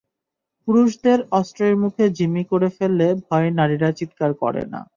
পুরুষদের অস্ত্রের মুখে জিম্মি করে ফেললে ভয়ে নারীরা চিৎকার করে না।